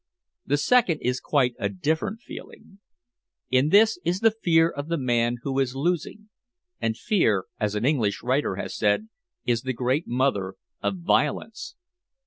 The second is quite a different feeling. In this is the fear of the man who is losing and fear, as an English writer has said, is the great mother of violence.